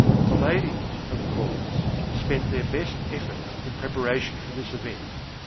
The ladies, of course, spent their best efforts in preparation for this event.